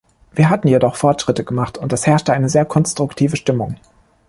Wir hatten jedoch Fortschritte gemacht, und es herrschte eine sehr konstruktive Stimmung.